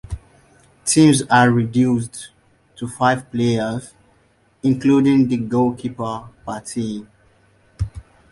Teams are reduced to five players, including the goalkeeper, per team.